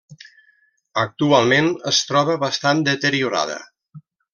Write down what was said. Actualment es troba bastant deteriorada.